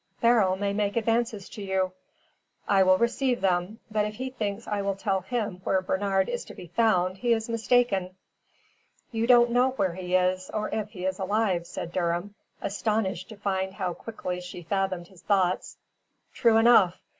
"Beryl may make advances to you." "I will receive them. But if he thinks I will tell him where Bernard is to be found he is mistaken." "You don't know where he is, or if he is alive," said Durham, astonished to find how quickly she fathomed his thoughts. "True enough.